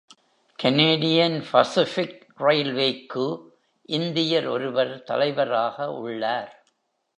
Canadian Pacific ரயில்வேக்கு இந்தியர் ஒருவர் தலைவராக உள்ளார்.